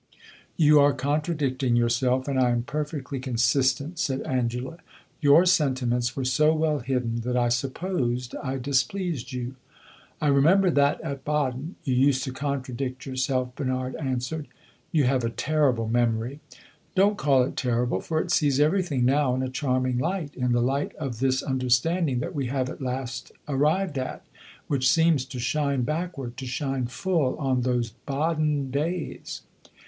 "You are contradicting yourself, and I am perfectly consistent," said Angela. "Your sentiments were so well hidden that I supposed I displeased you." "I remember that at Baden, you used to contradict yourself," Bernard answered. "You have a terrible memory!" "Don't call it terrible, for it sees everything now in a charming light in the light of this understanding that we have at last arrived at, which seems to shine backward to shine full on those Baden days."